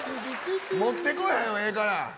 持ってこい、はよええから。